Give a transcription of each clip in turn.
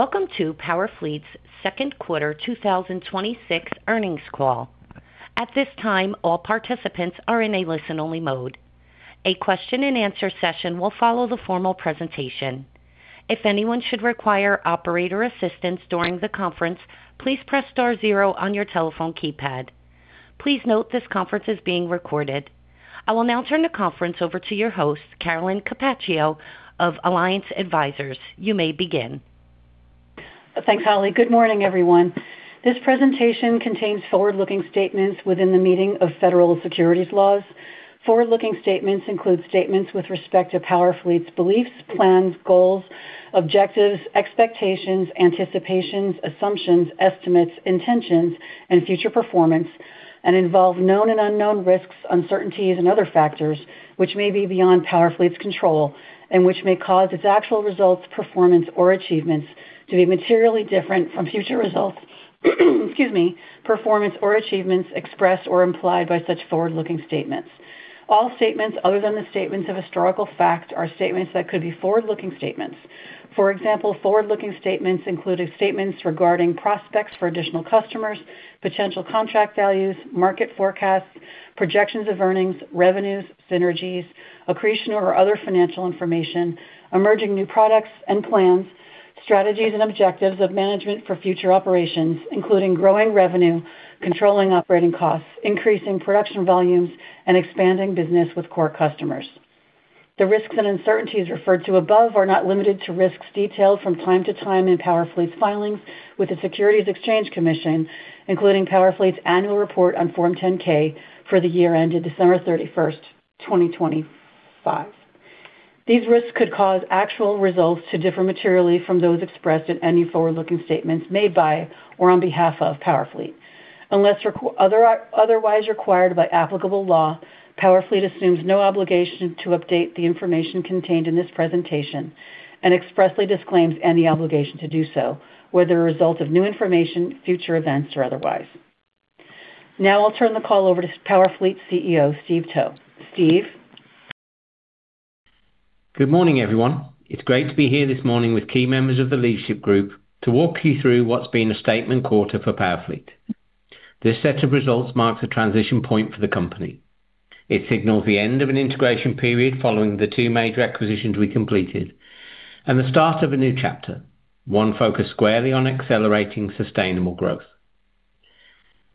Welcome to Powerfleet's Second Quarter 2026 Earnings Call. At this time, all participants are in a listen-only mode. A question-and-answer session will follow the formal presentation. If anyone should require operator assistance during the conference, please press star, zero on your telephone keypad. Please note, this conference is being recorded. I will now turn the conference over to your host, Carolyn Capaccio of Alliance Advisors. You may begin. Thanks, Holly. Good morning, everyone. This presentation contains forward-looking statements within the meaning of federal securities laws. Forward-looking statements include statements with respect to Powerfleet's beliefs, plans, goals, objectives, expectations, anticipations, assumptions, estimates, intentions, and future performance, and involve known and unknown risks, uncertainties, and other factors which may be beyond Powerfleet's control and which may cause its actual results, performance, or achievements to be materially different from future results, excuse me, performance or achievements expressed or implied by such forward-looking statements. All statements other than the statements of historical facts are statements that could be forward-looking statements. For example, forward-looking statements include statements regarding prospects for additional customers, potential contract values, market forecasts, projections of earnings, revenues, synergies, accretion or other financial information, emerging new products and plans, strategies and objectives of management for future operations, including growing revenue, controlling operating costs, increasing production volumes, and expanding business with core customers. The risks and uncertainties referred to above are not limited to risks detailed from time to time in Powerfleet's filings with the Securities Exchange Commission, including Powerfleet's annual report on Form 10-K for the year ended December 31st, 2025. These risks could cause actual results to differ materially from those expressed in any forward-looking statements made by or on behalf of Powerfleet. Unless otherwise required by applicable law, Powerfleet assumes no obligation to update the information contained in this presentation and expressly disclaims any obligation to do so, whether a result of new information, future events, or otherwise. Now I'll turn the call over to Powerfleet CEO, Steve Towe. Steve. Good morning, everyone. It's great to be here this morning with key members of the leadership group, to walk you through what's been a statement quarter for Powerfleet. This set of results marks a transition point for the company. It signals the end of an integration period, following the two major acquisitions we completed and the start of a new chapter, one focused squarely on accelerating sustainable growth.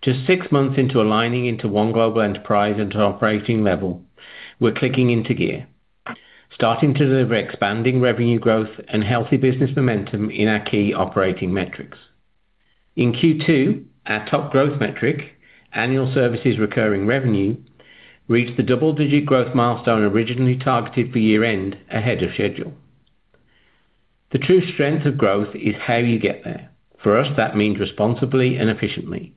Just six months into aligning into one global enterprise and operating level, we're clicking into gear, starting to deliver expanding revenue growth and healthy business momentum in our key operating metrics. In Q2, our top growth metric, annual services recurring revenue, reached the double-digit growth milestone originally targeted for year-end ahead of schedule. The true strength of growth is how you get there. For us, that means responsibly and efficiently.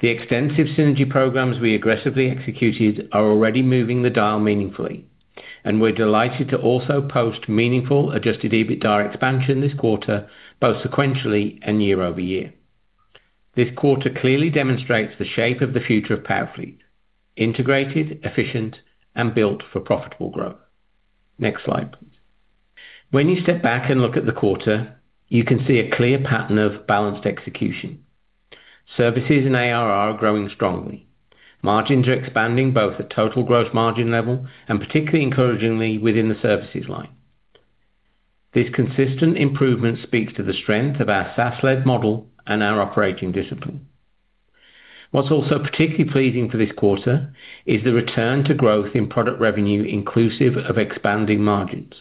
The extensive synergy programs we aggressively executed are already moving the dial meaningfully, and we're delighted to also post meaningful adjusted EBITDA expansion this quarter, both sequentially and year-overfyear. This quarter clearly demonstrates the shape of the future of PowerFleet, integrated, efficient, and built for profitable growth. Next slide. When you step back and look at the quarter, you can see a clear pattern of balanced execution. Services and ARR are growing strongly. Margins are expanding both at total gross margin level, and particularly encouragingly within the services line. This consistent improvement speaks to the strength of our SaaS-led model and our operating discipline. What's also particularly pleasing for this quarter is the return to growth in product revenue, inclusive of expanding margins.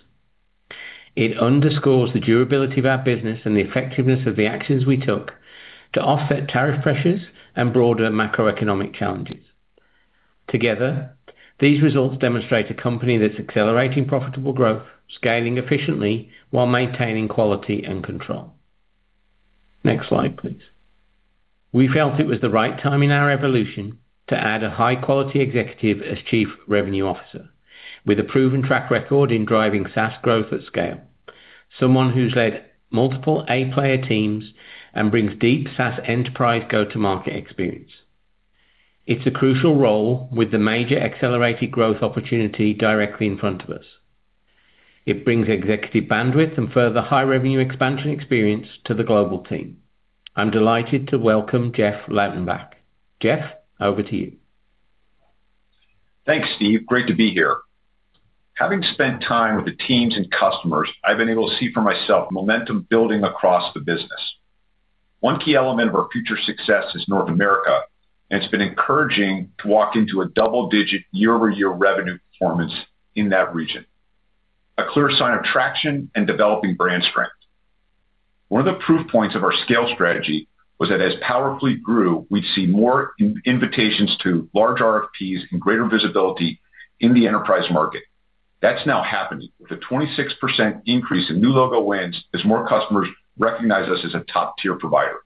It underscores the durability of our business, and the effectiveness of the actions we took to offset tariff pressures and broader macroeconomic challenges. Together, these results demonstrate a company that's accelerating profitable growth, scaling efficiently while maintaining quality and control. Next slide, please. We felt it was the right time in our evolution to add a high-quality executive as chief revenue officer, with a proven track record in driving SaaS growth at scale, someone who's led multiple A-player teams and brings deep SaaS enterprise go-to-market experience. It's a crucial role with the major accelerated growth opportunity directly in front of us. It brings executive bandwidth, and further high-revenue expansion experience to the global team. I'm delighted to welcome Jeff Loutenbach. Jeff, over to you. Thanks, Steve. Great to be here. Having spent time with the teams and customers, I've been able to see for myself momentum building across the business. One key element of our future success is North America, and it's been encouraging to walk into a double-digit year-over-year revenue performance in that region, a clear sign of traction and developing brand strength. One of the proof points of our scale strategy was that as Powerfleet grew, we'd see more invitations to large RFPs and greater visibility in the enterprise market. That's now happening, with a 26% increase in new logo wins as more customers recognize us as a top-tier provider.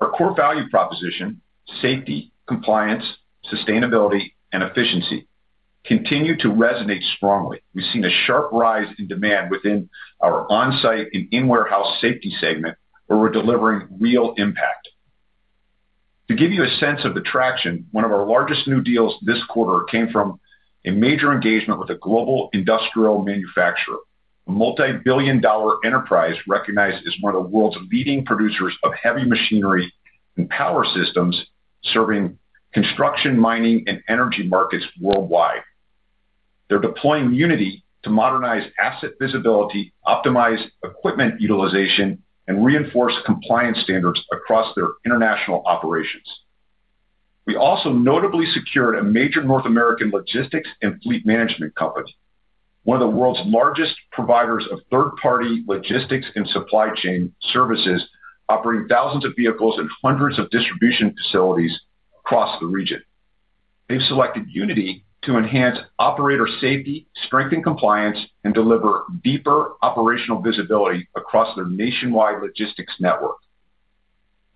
Our core value proposition, safety, compliance, sustainability, and efficiency, continue to resonate strongly. We've seen a sharp rise in demand within our on-site and in-warehouse safety segment, where we're delivering real impact. To give you a sense of the traction, one of our largest new deals this quarter came from a major engagement with a global industrial manufacturer, a multi-billion dollar enterprise recognized as one of the world's leading producers of heavy machinery and power systems serving construction, mining, and energy markets worldwide. They're deploying Unity to modernize asset visibility, optimize equipment utilization and reinforce compliance standards across their international operations. We also notably secured a major North American logistics and fleet management company, one of the world's largest providers of third-party logistics and supply chain services, operating thousands of vehicles and hundreds of distribution facilities across the region. They've selected Unity to enhance operator safety, strengthen compliance, and deliver deeper operational visibility across their nationwide logistics network.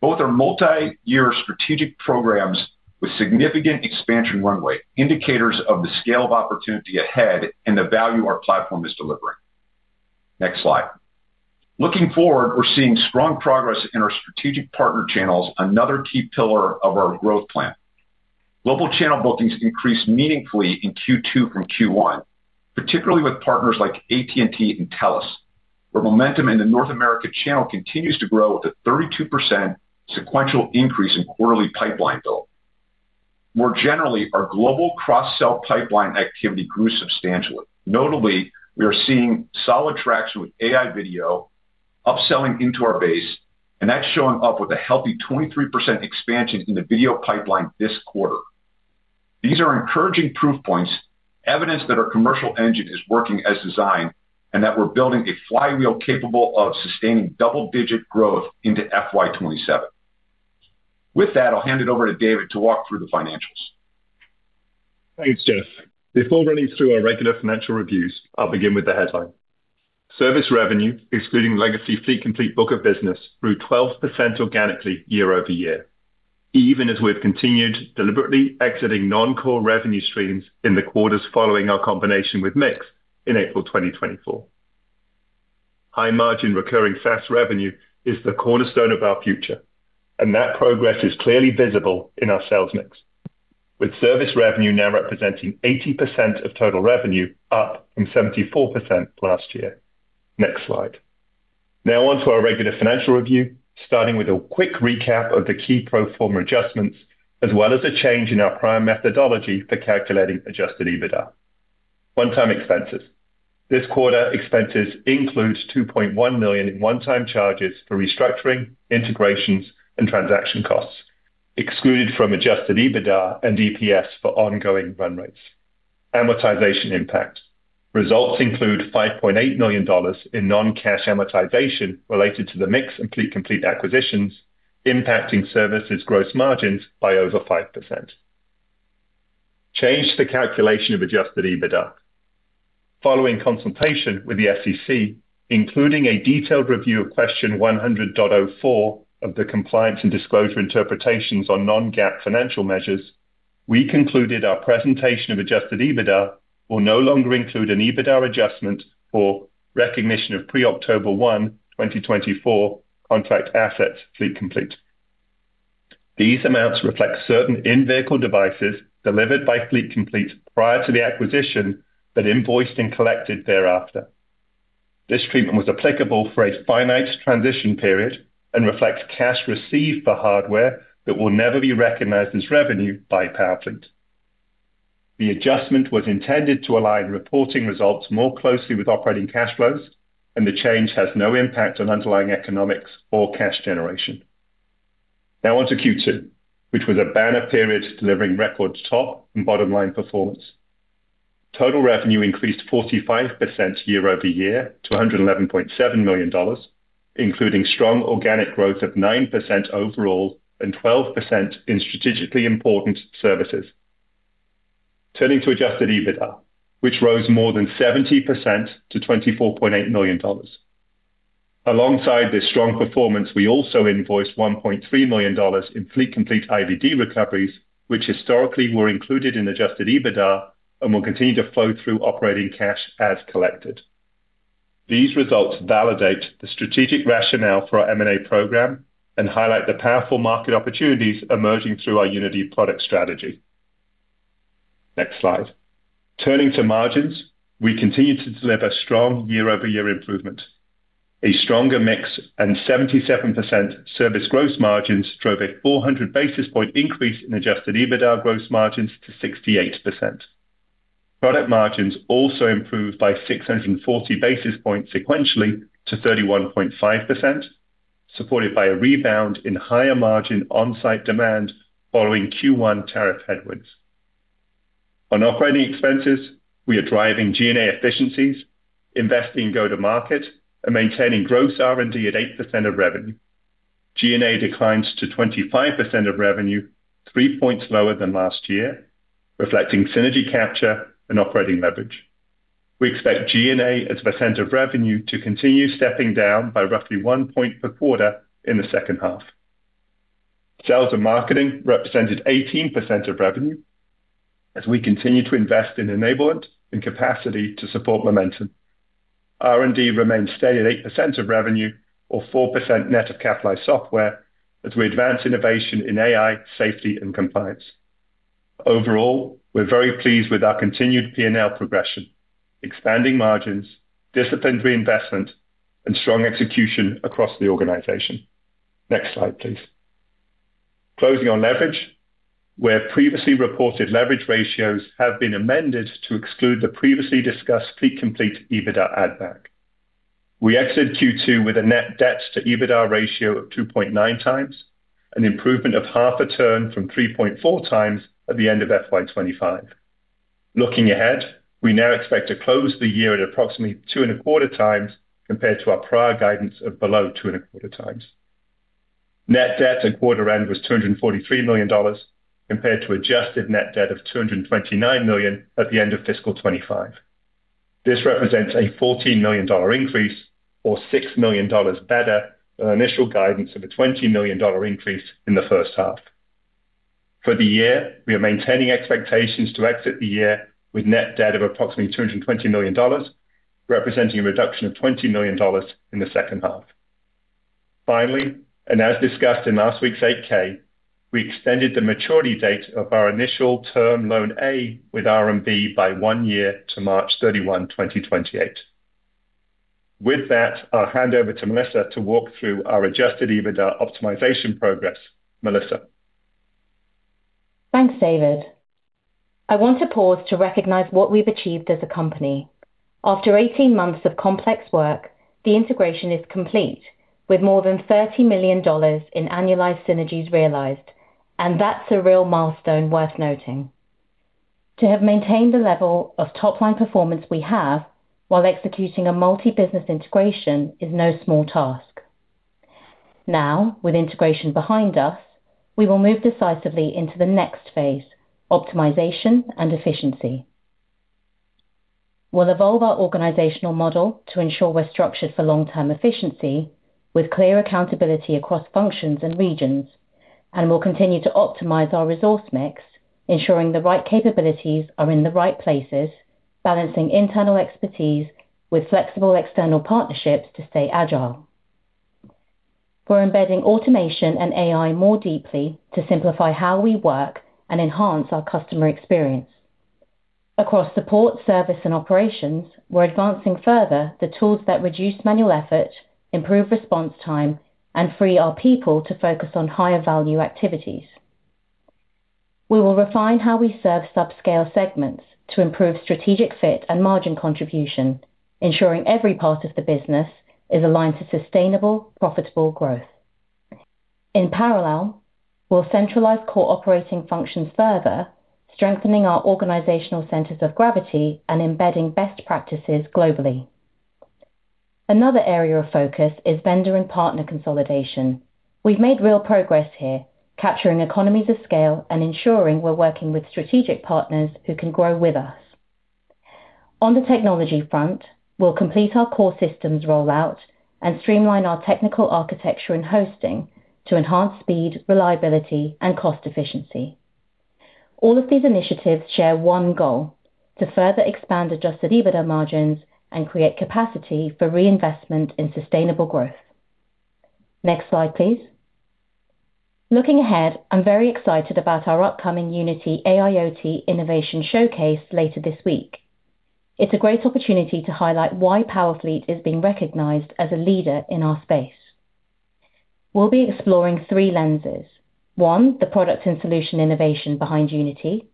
Both are multi-year strategic programs with significant expansion runway, indicators of the scale of opportunity ahead and the value our platform is delivering. Next slide. Looking forward, we're seeing strong progress in our strategic partner channels, another key pillar of our growth plan. Global channel bookings increased meaningfully in Q2 from Q1, particularly with partners like AT&T and TELUS, where momentum in the North America channel continues to grow with a 32% sequential increase in quarterly pipeline bill. More generally, our global cross-sell pipeline activity grew substantially. Notably, we are seeing solid traction with AI video upselling into our base, and that's showing up with a healthy 23% expansion in the video pipeline this quarter. These are encouraging proof points, evidence that our commercial engine is working as designed and that we're building a flywheel capable of sustaining double-digit growth into FY 2027. With that, I'll hand it over to David to walk through the financials. Thanks, Jeff. Before running through our regular financial reviews, I'll begin with the headline. Service revenue, excluding legacy Fleet Complete book of business, grew 12% organically year-over -year, even as we've continued deliberately exiting non-core revenue streams in the quarters following our combination with MiX in April 2024. High-margin recurring SaaS revenue is the cornerstone of our future, and that progress is clearly visible in our sales mix, with service revenue now representing 80% of total revenue, up from 74% last year. Next slide. Now on to our regular financial review, starting with a quick recap of the key pro forma adjustments, as well as a change in our prime methodology for calculating adjusted EBITDA. One-time expenses, this quarter, expenses includes $2.1 million in one-time charges for restructuring, integrations, and transaction costs, excluded from adjusted EBITDA and EPS for ongoing run rates. Amortization impact, results include $5.8 million in non-cash amortization related to the MiX and Fleet Complete acquisitions, impacting services gross margins by over 5%. Change to the calculation of adjusted EBITDA, following consultation with the SEC, including a detailed review of question 100.04 of the compliance and disclosure interpretations on non-GAAP financial measures, we concluded our presentation of adjusted EBITDA will no longer include an EBITDA adjustment for recognition of pre-October 1, 2024 contract assets Fleet Complete. These amounts reflect certain in-vehicle devices delivered by Fleet Complete prior to the acquisition, but invoiced and collected thereafter. This treatment was applicable for a finite transition period, and reflects cash received for hardware that will never be recognized as revenue by Powerfleet. The adjustment was intended to align reporting results more closely with operating cash flows, and the change has no impact on underlying economics or cash generation. Now on to Q2, which was a banner period delivering record top and bottom-line performance. Total revenue increased 45% year-over-year to $111.7 million, including strong organic growth of 9% overall and 12% in strategically important services. Turning to adjusted EBITDA, which rose more than 70% to $24.8 million. Alongside this strong performance, we also invoiced $1.3 million in Fleet Complete IVD recoveries, which historically were included in adjusted EBITDA and will continue to flow through operating cash as collected. These results validate the strategic rationale for our M&A program, and highlight the powerful market opportunities emerging through our Unity product strategy. Next slide. Turning to margins, we continue to deliver strong year-over-year improvement, a stronger mix and 77% service gross margins drove a 400 basis point increase in adjusted EBITDA gross margins to 68%. Product margins also improved by 640 basis points sequentially to 31.5%, supported by a rebound in higher margin on-site demand following Q1 tariff headwinds. On operating expenses, we are driving G&A efficiencies, investing in go-to-market and maintaining gross R&D at 8% of revenue. G&A declined to 25% of revenue, three points lower than last year, reflecting synergy capture and operating leverage. We expect G&A as a percent of revenue to continue stepping down by roughly one point per quarter in the second half. Sales and marketing represented 18% of revenue, as we continue to invest in enablement and capacity to support momentum. R&D remains steady at 8% of revenue or 4% net of capitalized software, as we advance innovation in AI, safety, and compliance. Overall, we're very pleased with our continued P&L progression, expanding margins, disciplined reinvestment, and strong execution across the organization. Next slide, please. Closing on leverage, where previously reported leverage ratios have been amended to exclude the previously discussed Fleet Complete EBITDA addback. We exited Q2 with a net debt-to-EBITDA ratio of 2.9x, an improvement of half a turn from 3.4x at the end of fiscal 2025. Looking ahead, we now expect to close the year at approximately 2.25x, compared to our prior guidance of below 2.25x. Net debt at quarter-end was $243 million, compared to adjusted net debt of $229 million at the end of fiscal 2025. This represents a $14 million increase, or $6 million better than initial guidance of a $20 million increase in the first half. For the year, we are maintaining expectations to exit the year with net debt of approximately $220 million, representing a reduction of $20 million in the second half. Finally, and as discussed in last week's 8-K, we extended the maturity date of our initial term loan A with R&B by one year to March 31, 2028. With that, I'll hand over to Melissa to walk through our adjusted EBITDA optimization progress. Melissa. Thanks, David. I want to pause to recognize what we've achieved as a company. After 18 months of complex work, the integration is complete, with more than $30 million in annualized synergies realized and that's a real milestone worth noting. To have maintained the level of top-line performance we have, while executing a multi-business integration is no small task. Now, with integration behind us, we will move decisively into the next phase, optimization and efficiency. We'll evolve our organizational model to ensure we're structured for long-term efficiency, with clear accountability across functions and regions. We'll continue to optimize our resource mix, ensuring the right capabilities are in the right places, balancing internal expertise with flexible external partnerships to stay agile. We're embedding automation and AI more deeply, to simplify how we work and enhance our customer experience. Across support, service, and operations, we're advancing further the tools that reduce manual effort, improve response time, and free our people to focus on higher-value activities. We will refine how we serve subscale segments to improve strategic fit and margin contribution, ensuring every part of the business is aligned to sustainable, profitable growth. In parallel, we'll centralize core operating functions further, strengthening our organizational centers of gravity and embedding best practices globally. Another area of focus is vendor and partner consolidation. We've made real progress here, capturing economies of scale and ensuring we're working with strategic partners who can grow with us. On the technology front, we'll complete our core systems rollout and streamline our technical architecture and hosting to enhance speed, reliability, and cost efficiency. All of these initiatives share one goal, to further expand adjusted EBITDA margins and create capacity for reinvestment in sustainable growth. Next slide, please. Looking ahead, I'm very excited about our upcoming Unity AIoT Innovation Showcase later this week. It's a great opportunity to highlight why Powerfleet is being recognized as a leader in our space. We'll be exploring three lenses. One, the product and solution innovation behind Unity.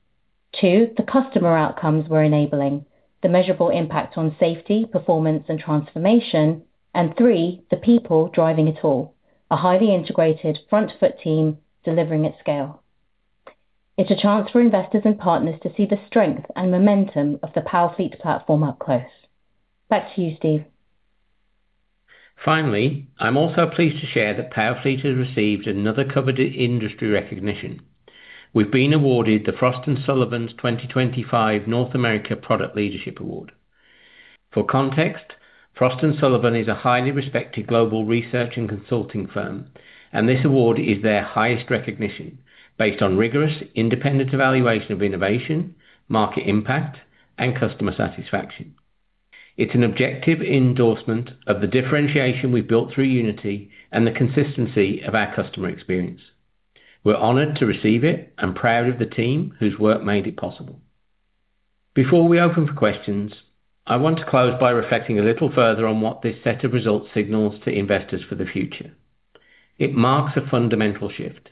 Two, the customer outcomes we're enabling, the measurable impact on safety, performance, and transformation. Three, the people driving it all, a highly integrated front-foot team delivering at scale. It's a chance for investors and partners to see the strength and momentum of the Powerfleet platform up close. Back to you, Steve. Finally, I'm also pleased to share that Powerfleet has received another coveted industry recognition. We've been awarded the Frost & Sullivan's 2025 North America Product Leadership Award. For context, Frost & Sullivan is a highly respected global research and consulting firm, and this award is their highest recognition based on rigorous, independent evaluation of innovation, market impact, and customer satisfaction. It's an objective endorsement of the differentiation we've built through Unity, and the consistency of our customer experience. We're honored to receive it and proud of the team whose work made it possible. Before we open for questions, I want to close by reflecting a little further on what this set of results signals to investors for the future. It marks a fundamental shift.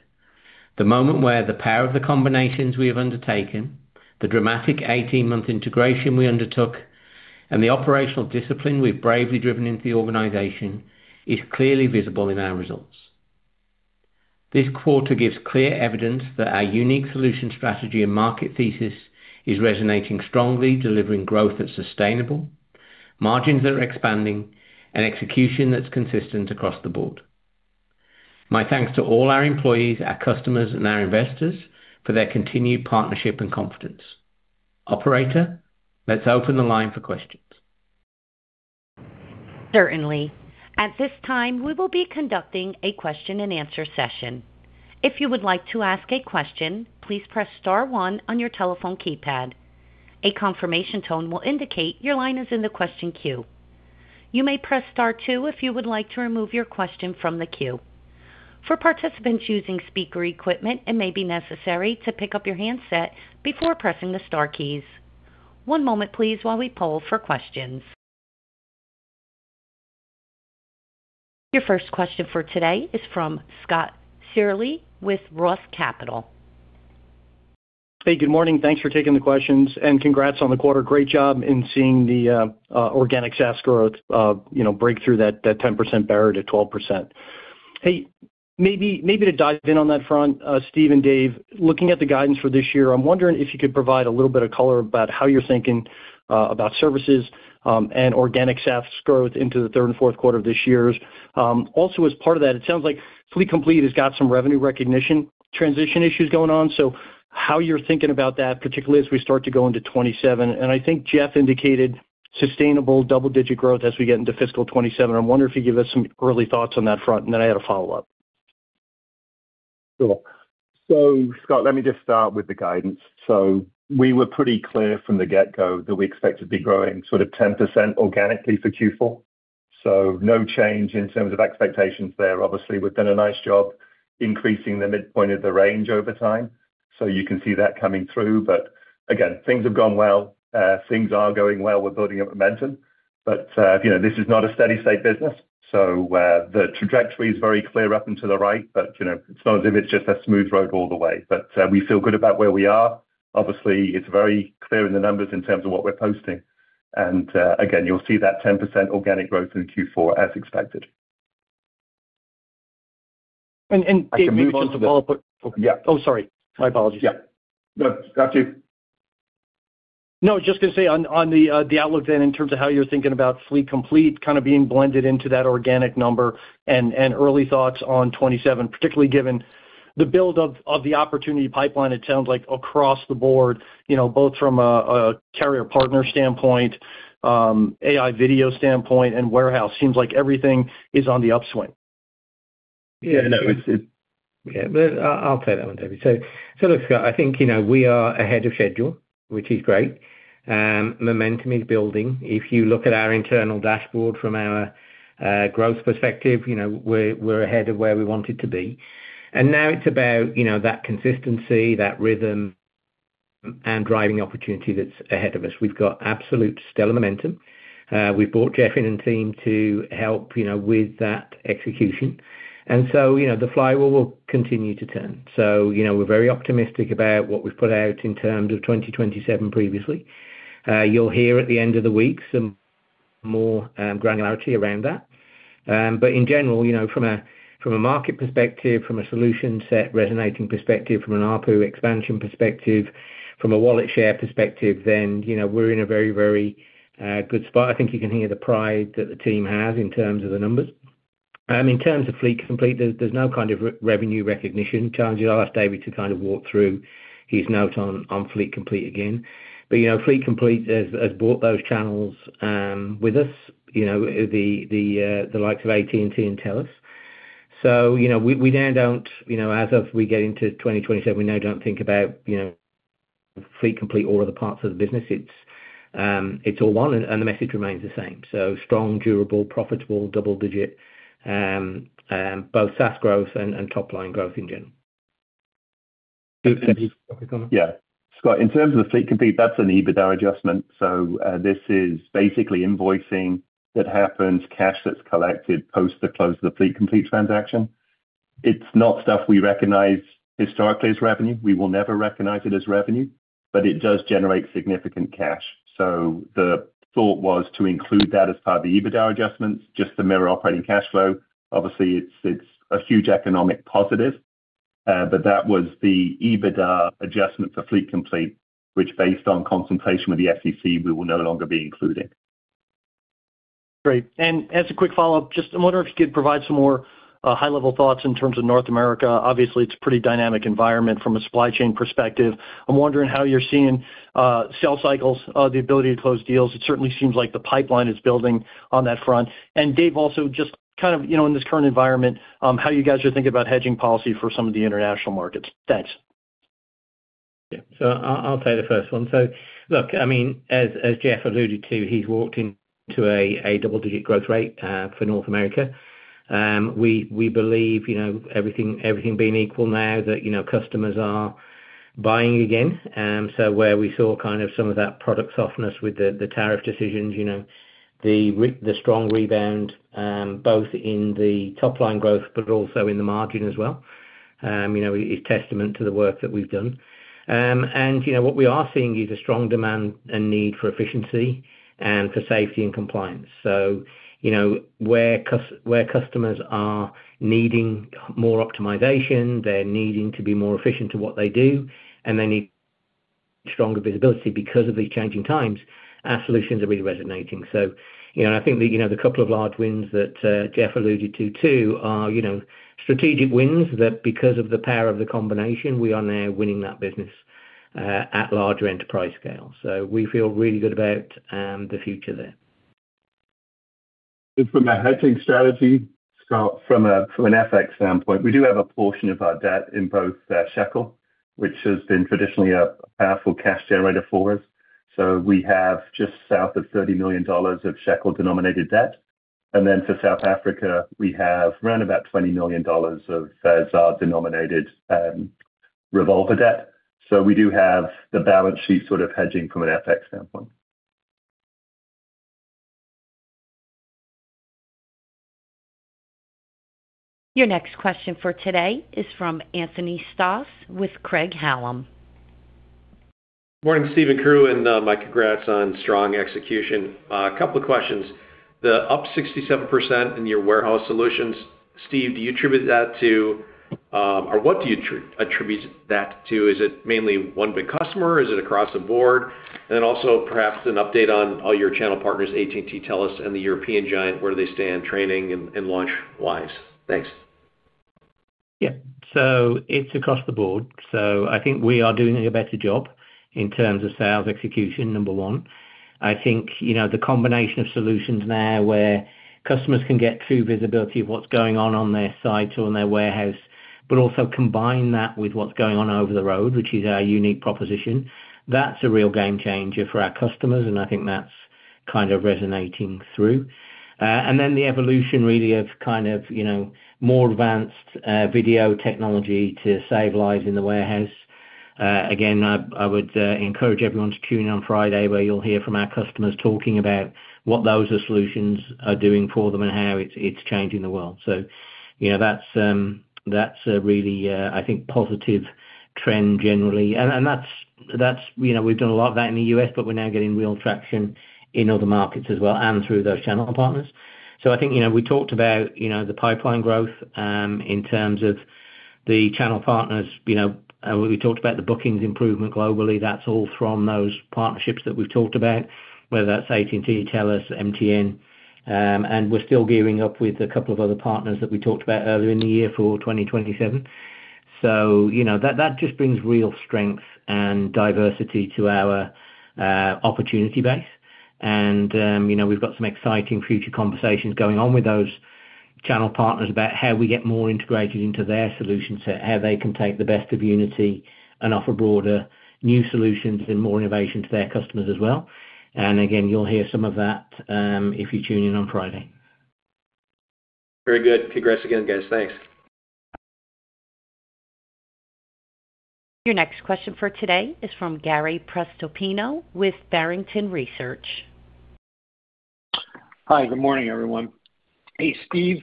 The moment where the power of the combinations we have undertaken, the dramatic 18-month integration we undertook and the operational discipline we've bravely driven into the organization is clearly visible in our results. This quarter gives clear evidence that our unique solution strategy and market thesis is resonating strongly, delivering growth that's sustainable, margins that are expanding and execution that's consistent across the board. My thanks to all our employees, our customers, and our investors for their continued partnership and confidence. Operator, let's open the line for questions. Certainly. At this time, we will be conducting a question-and-answer session. If you would like to ask a question, please press star, one on your telephone keypad. A confirmation tone will indicate your line is in the question queue. You may press star, two if you would like to remove your question from the queue. For participants using speaker equipment, it may be necessary to pick up your handset before pressing the star keys. One moment please, while we poll for questions. Your first question for today is from Scott Searle with ROTH Capital. Hey, good morning. Thanks for taking the questions, and congrats on the quarter. Great job in seeing the organic SaaS growth break through that 10% barrier to 12%. Maybe to dive in on that front, Steve and Dave, looking at the guidance for this year, I'm wondering if you could provide a little bit of color about how you're thinking about services and organic SaaS growth into the third and fourth quarter of this year. Also, as part of that, it sounds like Fleet Complete has got some revenue recognition transition issues going on, so how you're thinking about that, particularly as we start to go into 2027. I think Jeff indicated sustainable double-digit growth as we get into fiscal 2027. I'm wondering if you'd give us some early thoughts on that front, and then I had a follow-up. Cool. Scott, let me just start with the guidance. We were pretty clear from the get-go that we expected to be growing sort of 10% organically for Q4. No change in terms of expectations there. Obviously, we've done a nice job increasing the midpoint of the range over time. You can see that coming through. Again, things have gone well. Things are going well. We're building up momentum. This is not a steady-state business. The trajectory is very clear up and to the right, but it's not as if it's just a smooth road all the way. We feel good about where we are. Obviously, it's very clear in the numbers in terms of what we're posting. Again, you'll see that 10% organic growth in Q4 as expected. Dave, just a follow up Yeah. Oh, sorry. My apologies. Yeah. No, that's you. No, just going to say, on the outlook then in terms of how you're thinking about Fleet Complete kind of being blended into that organic number and early thoughts on 2027, particularly given the build of the opportunity pipeline, it sounds like across the board, both from a carrier partner standpoint, AI video standpoint and warehouse, seems like everything is on the upswing. Yeah. No. I'll [take] that one, David. Look, Scott, I think we are ahead of schedule, which is great. Momentum is building. If you look at our internal dashboard from our growth perspective, we're ahead of where we wanted to be. Now it's about that consistency, that rhythm and driving opportunity that's ahead of us. We've got absolute stellar momentum. We've brought Jeff and team to help with that execution. The flywheel will continue to turn. We're very optimistic about what we've put out in terms of 2027 previously. You'll hear at the end of the week, some more granularity around that. In general, from a market perspective, from a solution set resonating perspective, from an ARPU expansion perspective, from a wallet share perspective, then we're in a very, very good spot. I think you can hear the pride that the team has in terms of the numbers. In terms of Fleet Complete, there's no kind of revenue recognition challenges. I'll ask David to kind of walk through his note on Fleet Complete again. Fleet Complete has brought those channels with us, the likes of AT&T and TELUS. As we get into 2027, we now do not think about the Fleet Complete or other parts of the business. It's all one, and the message remains the same. Strong, durable, profitable, double-digit, both SaaS growth and top-line growth in general. Yeah. Scott, in terms of the Fleet Complete, that's an EBITDA adjustment. This is basically invoicing that happens, cash that's collected post the close of the Fleet Complete transaction. It's not stuff we recognize historically as revenue. We will never recognize it as revenue, but it does generate significant cash. The thought was to include that as part of the EBITDA adjustments, just to mirror operating cash flow. Obviously, it's a huge economic positive, but that was the EBITDA adjustment for Fleet Complete, which based on consultation with the FCC, we will no longer be including. Great. As a quick follow-up, I'm wondering if you could provide some more high-level thoughts in terms of North America. Obviously, it's a pretty dynamic environment from a supply chain perspective. I'm wondering how you're seeing sell cycles, the ability to close deals. It certainly seems like the pipeline is building on that front. Dave, also just kind of in this current environment, how you guys are thinking about hedging policy for some of the international markets. Thanks. Okay. I'll take the first one. Look, I mean, as Jeff alluded to, he's walked into a double-digit growth rate for North America. We believe everything being equal now, that customers are buying again. Where we saw kind of some of that product softness with the tariff decisions, the strong rebound, both in the top-line growth, but also in the margin as well is testament to the work that we've done. What we are seeing is a strong demand and need for efficiency, and for safety and compliance. Where customers are needing more optimization, they're needing to be more efficient in what they do, and they need stronger visibility because of these changing times, our solutions are really resonating. I think the couple of large wins that Jeff alluded to too are strategic wins that, because of the power of the combination, we are now winning that business at larger enterprise scale. We feel really good about the future there. From a hedging strategy, Scott, from an FX standpoint, we do have a portion of our debt in both shekel, which has been traditionally a powerful cash generator for us. We have just south of $30 million of shekel-denominated debt. For South Africa, we have around about $20 million of ZAR-denominated revolver debt. We do have the balance sheet sort of hedging from an FX standpoint. Your next question for today is from Anthony Stoss with Craig-Hallum. Morning, Steve and crew. My congrats on strong execution. A couple of questions. The up 67% in your warehouse solutions, Steve, what do you attribute that to? Is it mainly one big customer? Is it across the board? Also, perhaps an update on all your channel partners, AT&T, TELUS, and the European giant, where do they stand training and launch-wise? Thanks. Yeah, so it's across the board. I think we are doing a better job in terms of sales execution, number one. I think the combination of solutions now, where customers can get true visibility of what is going on on their site too and in their warehouse, but also combine that with what is going on over the road, which is our unique proposition, that's a real game changer for our customers. I think that's kind of resonating through. The evolution really of kind of more advanced video technology to save lives in the warehouse, again I would encourage everyone to tune in on Friday, where you will hear from our customers talking about what those solutions are doing for them and how it's changing the world. That is a really I think a positive trend generally. We've done a lot of that in the U.S., but we are now getting real traction in other markets as well and through those channel partners. I think we talked about the pipeline growth in terms of the channel partners. We talked about the bookings improvement globally. That's all from those partnerships that we have talked about, whether that's AT&T, TELUS, MTN. We are still gearing up with a couple of other partners that we talked about earlier in the year for 2027. That just brings real strength and diversity to our opportunity base. We have some exciting future conversations going on with those channel partners, about how we get more integrated into their solutions, how they can take the best of Unity and offer broader new solutions, and more innovation to their customers as well. Again, you'll hear some of that if you tune in on Friday. Very good. Congrats again, guys. Thanks. Your next question for today is from Gary Prestopino with Barrington Research. Hi. Good morning, everyone. Hey, Steve.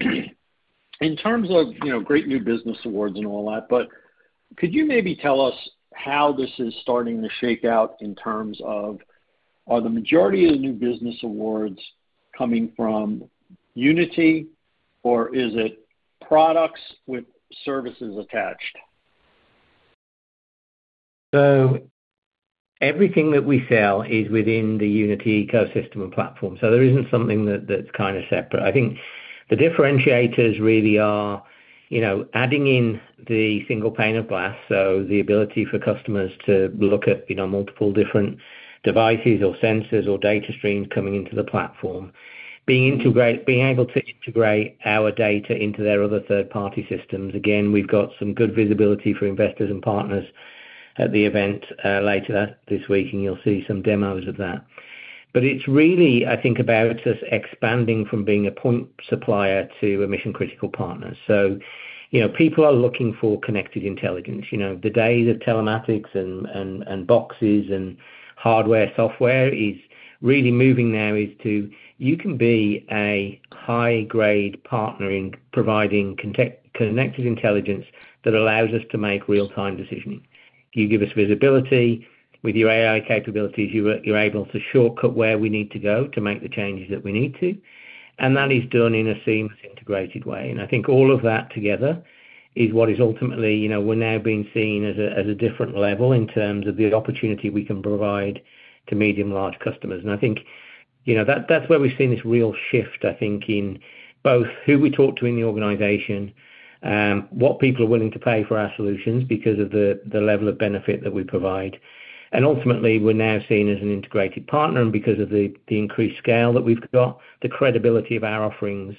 In terms of great new business awards and all that, could you maybe tell us how this is starting to shake out in terms of, are the majority of the new business awards coming from Unity or is it products with services attached? Everything that we sell is within the Unity ecosystem and platform. There isn't something that's kind of separate. I think the differentiators really are adding in the single pane of glass, so the ability for customers to look at multiple different devices or sensors, or data streams coming into the platform, being able to integrate our data into their other third-party systems. Again, we've got some good visibility for investors and partners at the event later this week, and you'll see some demos of that. It's really I think about us expanding from being a point supplier to a mission-critical partner. People are looking for connected intelligence. The days of telematics and boxes, and hardware, software is really moving now to, you can be a high-grade partner in providing connected intelligence that allows us to make real-time decisions. You give us visibility. With your AI capabilities, you're able to shortcut where we need to go to make the changes that we need to. That is done in a seamless integrated way. I think all of that together is what is ultimately, we're now being seen as a different level in terms of the opportunity we can provide to medium-large customers. I think that's where we've seen this real shift I think in both who we talk to in the organization, and what people are willing to pay for our solutions because of the level of benefit that we provide. Ultimately, we're now seen as an integrated partner, because of the increased scale that we've got, the credibility of our offerings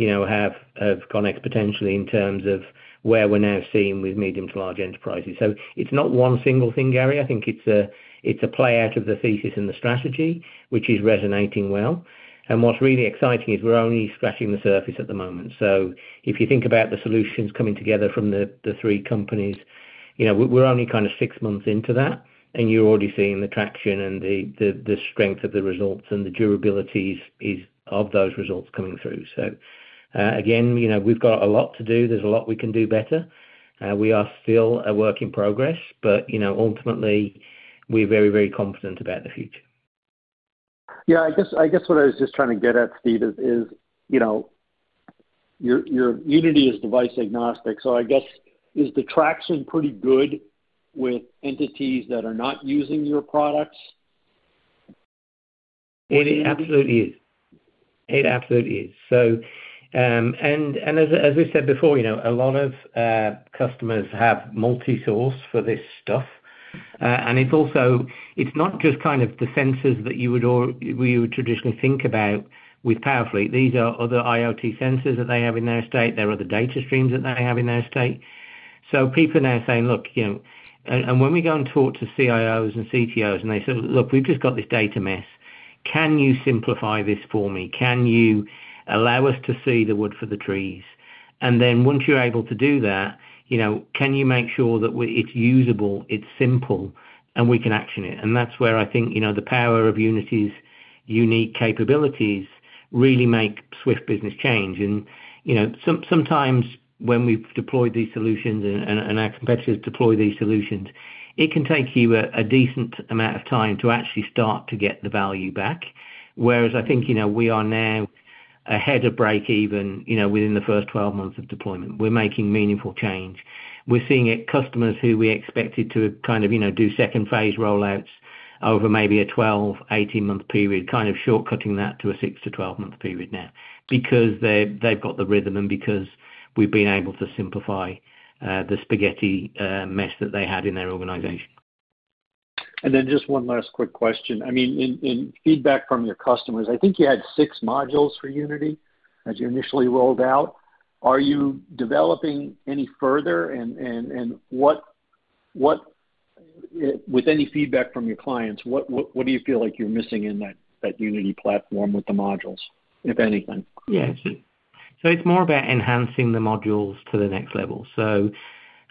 have gone exponentially in terms of where we're now seen with medium-to-large enterprises. It's not one single thing, Gary. I think it's a play out of the thesis and the strategy, which is resonating well. What's really exciting is, we're only scratching the surface at the moment. If you think about the solutions coming together from the three companies, we're only kind of six months into that and you're already seeing the traction, and the strength of the results and the durabilities of those results coming through. Again, we've got a lot to do. There's a lot we can do better. We are still a work in progress, but ultimately, we're very, very confident about the future. Yeah. I guess what I was just trying to get at, Steve is, Unity is device agnostic. I guess, is the traction pretty good with entities that are not using your products? It absolutely is. As we said before, a lot of customers have multi-source for this stuff. It's not just kind of the sensors that you would traditionally think about with Powerfleet. These are other IoT sensors that they have in their estate. There are other data streams that they have in their estate. When we go and talk to CIOs and CTOs and they say, "Look, we've just got this data mess. Can you simplify this for me? Can you allow us to see the wood for the trees?" Once you are able to do that, can you make sure that it's usable, it's simple, and we can action it? That is where I think the power of Unity's unique capabilities really make swift business change. Sometimes when we've deployed these solutions and our competitors deploy these solutions, it can take you a decent amount of time to actually start to get the value back. Whereas I think we are now ahead of break-even within the first 12 months of deployment, we're making meaningful change. We're seeing customers who we expected to kind of do second phase rollouts over maybe a 12-18 month period, kind of shortcutting that to a 6-12 month period now, because they've got the rhythm and because we've been able to simplify the spaghetti mess that they had in their organization. Just one last quick question. I mean, in feedback from your customers, I think you had six modules for Unity as you initially rolled out. Are you developing any further? With any feedback from your clients, what do you feel like you're missing in that Unity platform with the modules, if anything? Yeah. It's more about enhancing the modules to the next level.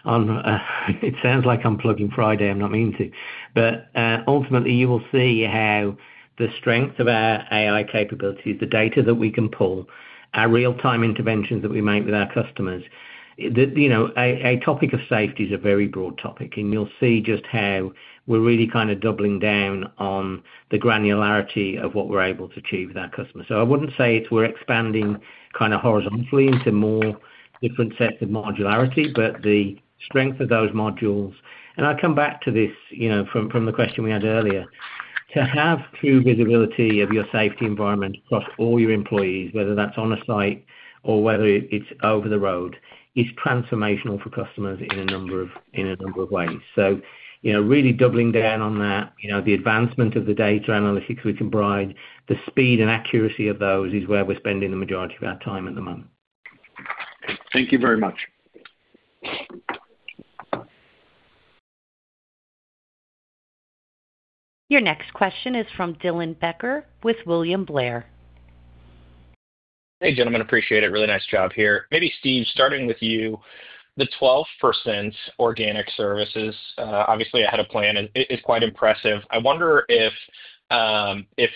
It sounds like I am plugging Friday. I am not meaning to. Ultimately, you will see how the strength of our AI capabilities, the data that we can pull, our real-time interventions that we make with our customers, a topic of safety is a very broad topic. You will see just how we're really kind of doubling down on the granularity of what we are able to achieve with our customers. I would not say, so we are expanding kind of horizontally into more different sets of modularity, but the strength of those modules. I will come back to this from the question we had earlier, to have true visibility of your safety environment across all your employees, whether that's on a site or whether it's over the road, is transformational for customers in a number of ways. Really doubling down on that, the advancement of the data analytics we can provide, the speed and accuracy of those, is where we're spending the majority of our time at the moment. Thank you very much. Your next question is from Dylan Becker with William Blair. Hey, gentlemen. Appreciate it. Really nice job here. Maybe, Steve, starting with you, the 12% organic services, obviously ahead of plan is quite impressive. I wonder if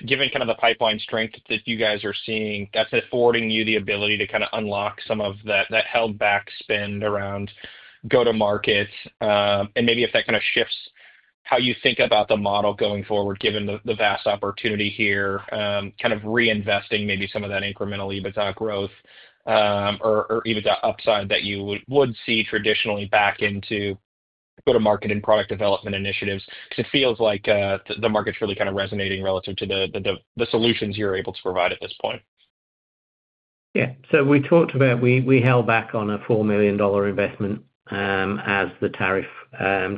given kind of the pipeline strength that you guys are seeing, that's affording you the ability to kind of unlock some of that held-back spend around go-to-markets. Maybe if that kind of shifts how you think about the model going forward, given the vast opportunity here, kind of reinvesting maybe some of that incrementally with our growth or even the upside that you would see traditionally back into go-to-market and product development initiatives, because it feels like the market's really kind of resonating relative to the solutions you're able to provide at this point. Yeah. We talked about, we held back on a $4 million investment as the tariff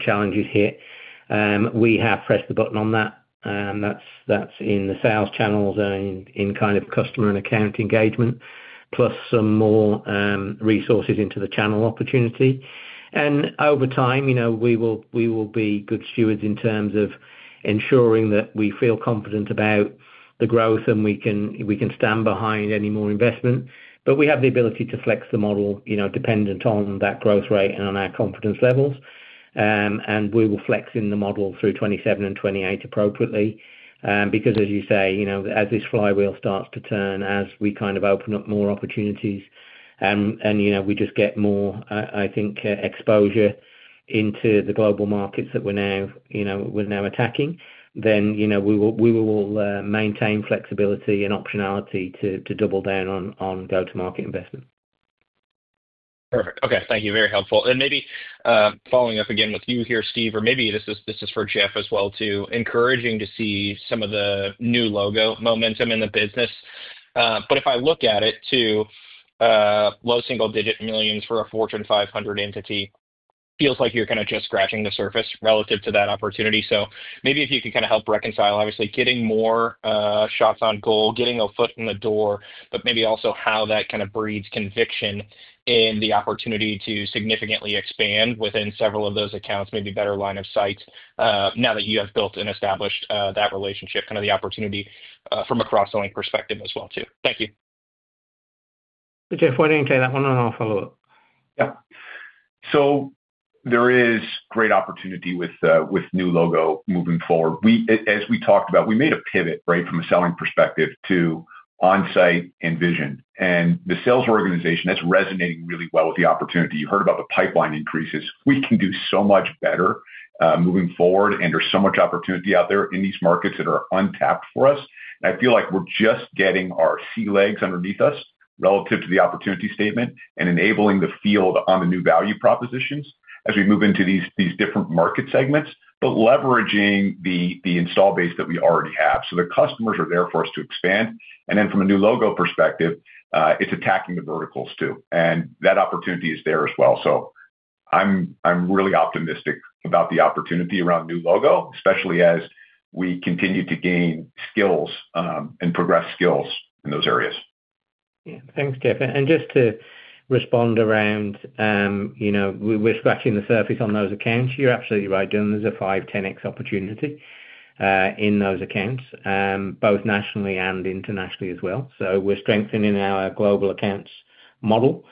challenges hit. We have pressed the button on that. That's in the sales channels, and in kind of customer and account engagement, plus some more resources into the channel opportunity. Over time, we will be good stewards in terms of ensuring that we feel confident about the growth, and we can stand behind any more investment. We have the ability to flex the model dependent on that growth rate, and on our confidence levels. We will flex in the model through 2027 and 2028 appropriately, because as you say, as this flywheel starts to turn, as we kind of open up more opportunities and we just get more I think exposure into the global markets that we're now attacking, then we will maintain flexibility and optionality to double down on go-to-market investment. Perfect, okay. Thank you. Very helpful, maybe following up again with you here, Steve or maybe this is for Jeff as well too, encouraging to see some of the new logo momentum in the business. If I look at it to low single-digit millions for a Fortune 500 entity, feels like you're kind of just scratching the surface relative to that opportunity. Maybe if you could kind of help reconcile, obviously getting more shots on goal, getting a foot in the door, but maybe also how that kind of breeds conviction in the opportunity to significantly expand within several of those accounts, maybe better line of sight now that you have built and established that relationship, kind of the opportunity from a cross-selling perspective as well too. Thank you. Jeff, why don't you take that one, and I'll follow up? Yeah, so there is great opportunity with new logo moving forward. As we talked about, we made a pivot from a selling perspective to on-site envision. The sales organization, that's resonating really well with the opportunity. You heard about the pipeline increases. We can do so much better moving forward, and there is so much opportunity out there in these markets that are untapped for us. I feel like we're just getting our sea legs underneath us, relative to the opportunity statement and enabling the field on the new value propositions as we move into these different market segments, but leveraging the install base that we already have. The customers are there for us to expand. From a new logo perspective, it's attacking the verticals too. That opportunity is there as well. I'm really optimistic about the opportunity around new logo, especially as we continue to gain skills and progress skills in those areas. Yeah. Thanks, Jeff. Just to respond around ,we're scratching the surface on those accounts, you're absolutely right. There's a 5x, 10x opportunity in those accounts, both nationally and internationally as well. We're strengthening our global accounts model.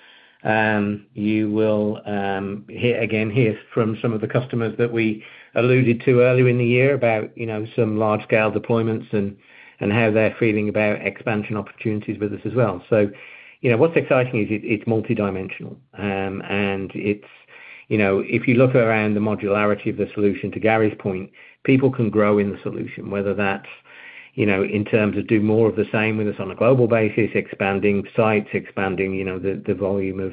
You will again hear from some of the customers that we alluded to earlier in the year, about some large-scale deployments and how they're feeling about expansion opportunities with us as well. What's exciting is, it's multi-dimensional. If you look around the modularity of the solution, to Gary's point, people can grow in the solution, whether that's in terms of doing more of the same with us on a global basis, expanding sites, expanding the volume of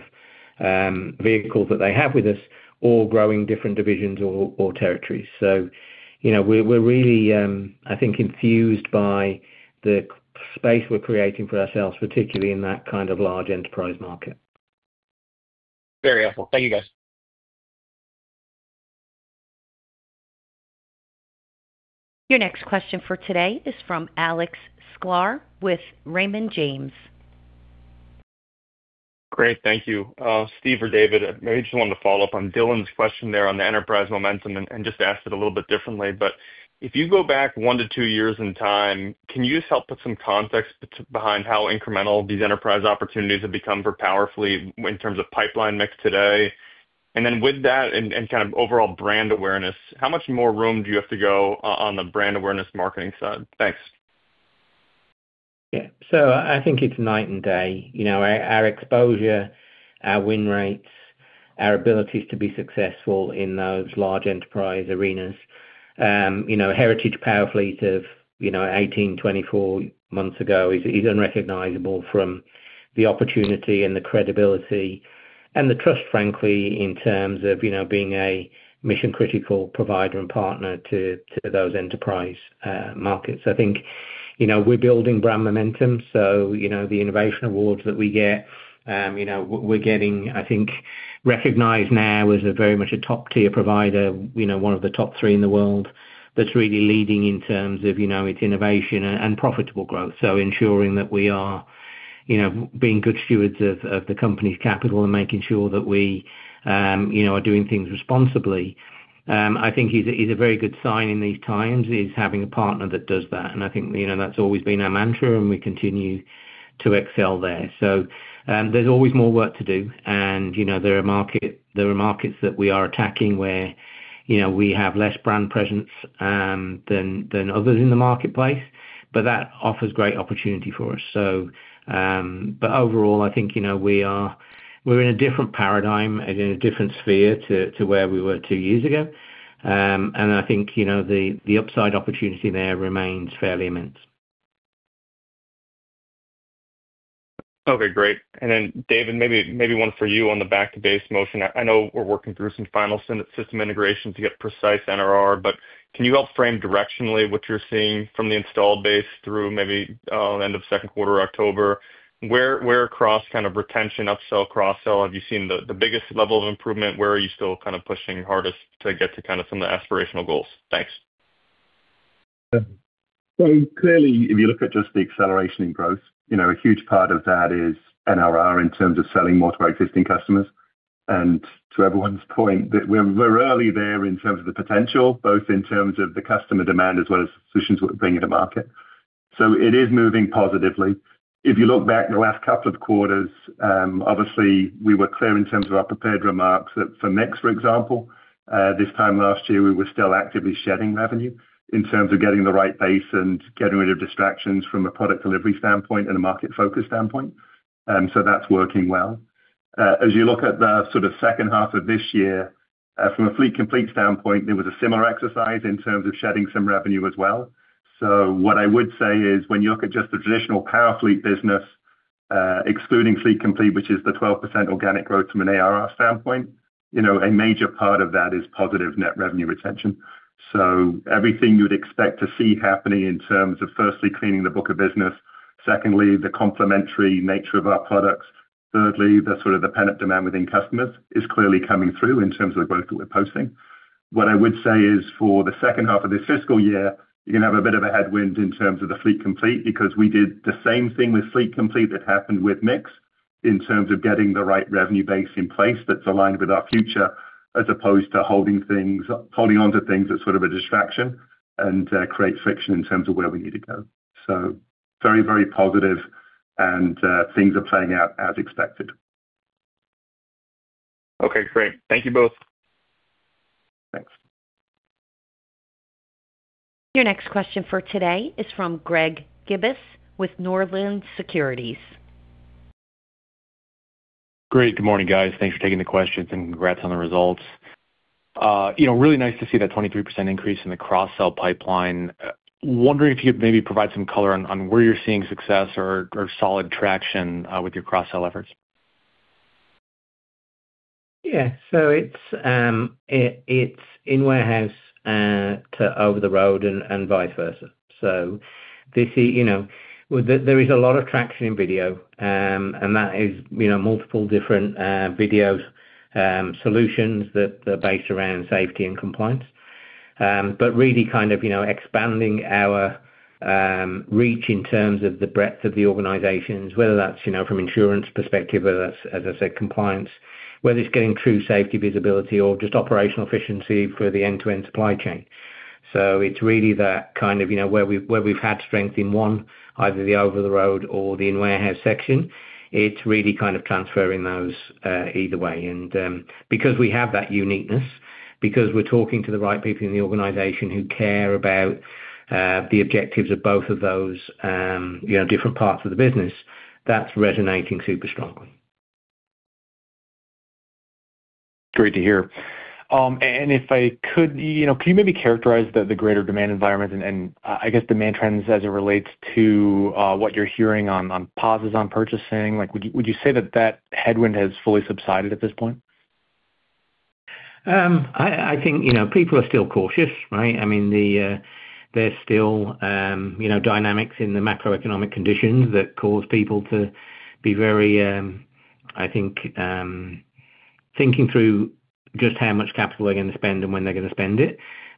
vehicles that they have with us or growing different divisions or territories. We're really I think infused by the space we're creating for ourselves, particularly in that kind of large enterprise market. Very helpful. Thank you, guys. Your next question for today is from Alex Sklar with Raymond James. Great, thank you. Steve or David, I just wanted to follow up on Dylan's question there on the enterprise momentum, and just asked it a little bit differently. If you go back one to two years in time, can you just help put some context behind how incremental these enterprise opportunities have become for Powerfleet in terms of pipeline mix today? With that and kind of overall brand awareness, how much more room do you have to go on the brand awareness marketing side? Thanks. Yeah. I think it's night and day, our exposure, our win rates, our abilities to be successful in those large enterprise arenas. Heritage Powerfleet of 18, 24 months ago is unrecognizable from the opportunity and the credibility, and the trust frankly, in terms of being a mission-critical provider and partner to those enterprise markets. I think we're building brand momentum. The innovation awards that we get, we're getting I think recognized now as very much a top-tier provider, one of the top three in the world that's really leading in terms of its innovation and profitable growth. Ensuring that we are being good stewards of the company's capital, and making sure that we are doing things responsibly I think is a very good sign in these times, is having a partner that does that. I think that's always been our mantra, and we continue to excel there. There is always more work to do. There are markets that we are attacking, where we have less brand presence than others in the marketplace, but that offers great opportunity for us. Overall, I think we are in a different paradigm and in a different sphere to where we were two years ago. I think the upside opportunity there remains fairly immense. Okay, great. David, maybe one for you on the back-to-base motion. I know we're working through some final system integrations to get precise NRR, but can you help frame directionally what you're seeing from the install base through maybe end of second quarter, October? Where across kind of retention, upsell, cross-sell have you seen the biggest level of improvement? Where are you still kind of pushing hardest to get to kind of some of the aspirational goals? Thanks. Clearly, if you look at just the acceleration in growth, a huge part of that is NRR in terms of selling more to our existing customers. To everyone's point, we're early there in terms of the potential, both in terms of the customer demand as well as the solutions we're bringing to market. It is moving positively. If you look back the last couple of quarters, obviously we were clear in terms of our prepared remarks that for NRR, for example, this time last year, we were still actively shedding revenue in terms of getting the right base and getting rid of distractions from a product delivery standpoint, and a market-focused standpoint. That's working well. As you look at the sort of second half of this year, from a Fleet Complete standpoint, there was a similar exercise in terms of shedding some revenue as well. What I would say is, when you look at just the traditional Powerfleet business, excluding Fleet Complete, which is the 12% organic growth from an ARR standpoint, a major part of that is positive net revenue retention. Everything you would expect to see happening in terms of, firstly, cleaning the book of business, secondly, the complementary nature of our products, thirdly, the sort of pent-up demand within customers is clearly coming through in terms of the growth that we are posting. What I would say is, for the second half of this fiscal year, you'r,e going to have a bit of a headwind in terms of the Fleet Complete because we did the same thing with Fleet Complete that happened with MiX, in terms of getting the right revenue base in place that's aligned with our future, as opposed to holding on to things that are sort of a distraction and create friction in terms of where we need to go. Very, very positive, and things are playing out as expected. Okay. Great. Thank you both. Your next question for today is from Greg Gibas with Northland Securities. Great. Good morning, guys. Thanks for taking the questions, and congrats on the results. Really nice to see that 23% increase in the cross-sell pipeline. Wondering if you could maybe provide some color on where you're seeing success or solid traction with your cross-sell efforts. Yeah. It's in warehouse to over the road and vice versa. There is a lot of traction in video, and that is multiple different video solutions that are based around safety and compliance, but really kind of expanding our reach in terms of the breadth of the organizations, whether that's from an insurance perspective, whether that is, as I said, compliance. Whether it's getting true safety visibility or just operational efficiency for the end-to-end supply chain. It's really where we've had strength in one, either the over-the-road or the in-warehouse section, it's really kind of transferring those either way. We have that uniqueness, because we are talking to the right people in the organization who care about the objectives of both of those different parts of the business, that's resonating super strongly. Great to hear. If I could, could you maybe characterize the greater demand environment, and I guess, demand trends as it relates to what you're hearing on pauses on purchasing? Would you say that that headwind has fully subsided at this point? I think people are still cautious, right? I mean, there's still dynamics in the macroeconomic conditions that cause people to be, I think, thinking through just how much capital they're going to spend and when they're going to spend it.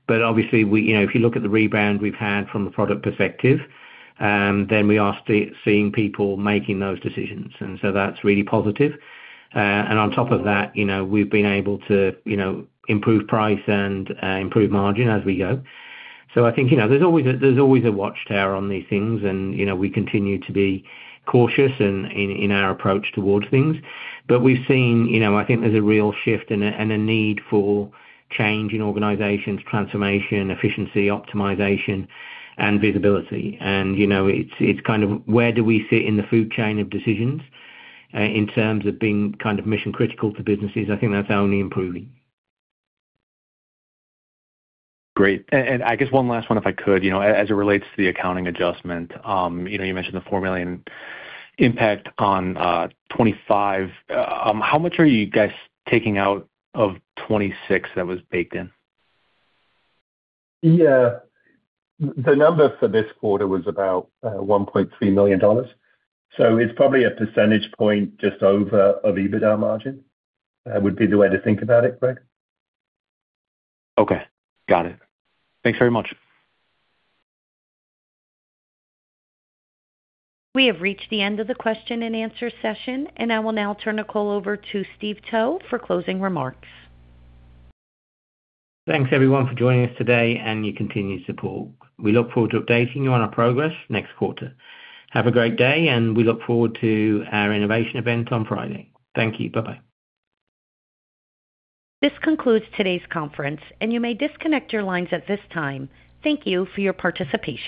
Obviously, if you look at the rebound we've had from the product perspective, then we are seeing people making those decisions. That's really positive. On top of that, we've been able to improve price and improve margin as we go. I think there's always a watchtower on these things, and we continue to be cautious in our approach towards things. We've seen, I think there's a real shift and a need for change in organizations, transformation, efficiency, optimization, and visibility. It's kind of, where do we sit in the food chain of decisions in terms of being kind of mission-critical to businesses? I think that's only improving. Great. I guess one last one, if I could, as it relates to the accounting adjustment. You mentioned the $4 million impact on 2025. How much are you guys taking out of 2026 that was baked in? Yeah. The number for this quarter was about $1.3 million, so it's probably a percentage point just over of EBITDA margin, would be the way to think about it, Greg. Okay, got it. Thanks very much. We have reached the end of the question-and-answer session, and I will now turn the call over to Steve Towe for closing remarks. Thanks, everyone for joining us today and your continued support. We look forward to updating you on our progress next quarter. Have a great day, and we look forward to our innovation event on Friday. Thank you. Bye-bye. This concludes today's conference, and you may disconnect your lines at this time. Thank you for your participation.